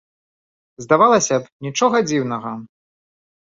Здавалася б, нічога дзіўнага.